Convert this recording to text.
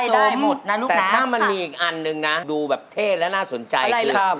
ดูความเหมาะสมแต่ถ้ามันมีอีกอันนึงนะดูแบบเท่และน่าสนใจคือ